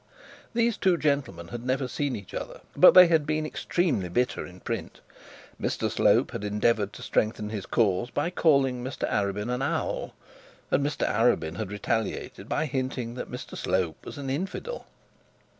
These two gentlemen had never seen each other, but they had been extremely bitter in print. Mr Slope had endeavoured to strengthen his cause by calling Mr Arabin an owl, and Mr Arabin had retaliated by hinting that Mr Slope was an infidel.